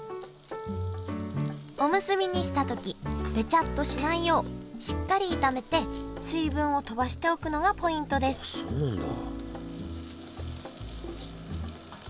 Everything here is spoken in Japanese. おむすびにした時ベチャッとしないようしっかり炒めて水分をとばしておくのがポイントですあっそうなんだ。